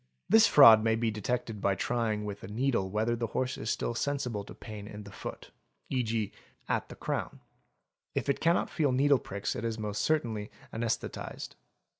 This fraud may be detected by trying with a needle whether the' horse is still sensible to pain in the foot (e.g., at the crown) ; if it cannot feel needle pricks it is most certainly anaesthetised.